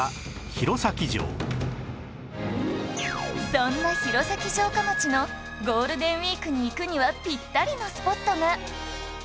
そんな弘前城下町のゴールデンウィークに行くにはピッタリのスポットが